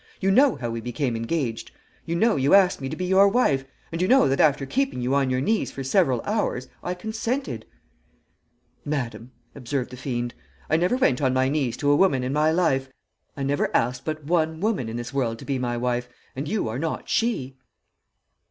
You know how we became engaged. You know you asked me to be your wife, and you know that after keeping you on your knees for several hours I consented.' "'Madam,' observed the fiend, 'I never went on my knees to a woman in my life. I never asked but one woman in this world to be my wife, and you are not she.'